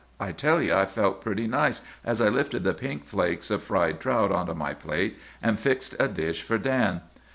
I tell you I felt pretty nice as I lifted the pink flakes of fried trout onto my plate, and fixed a dish for Dan.